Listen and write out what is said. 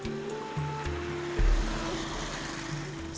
sebagian warga sabana menemukan kambing peliharaan